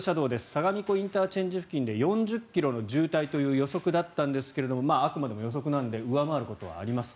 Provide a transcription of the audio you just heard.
相模湖ＩＣ付近で４０ｋｍの渋滞という予測だったんですがあくまでも予測なので上回ることはあります。